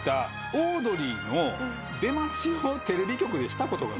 オードリーの出待ちをテレビ局でしたことが。